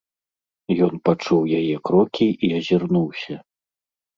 Ён пачуў яе крокі і азірнуўся.